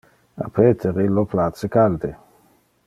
A Peter illo place calde.